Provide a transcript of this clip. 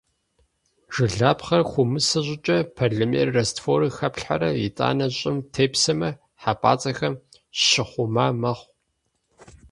Жылапхъэр хыумысэ щIыкIэ, полимер растворым хэплъхьэрэ, итIанэ щIым тепсэмэ, хьэпIацIэхэм щыхъума мэхъу.